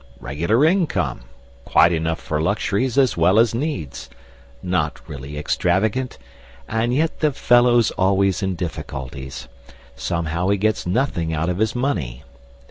Regular income. Quite enough for luxuries as well as needs. Not really extravagant. And yet the fellow's always in difficulties. Somehow he gets nothing out of his money.